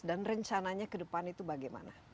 dan rencananya ke depan itu bagaimana